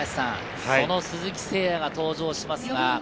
鈴木誠也が登場します。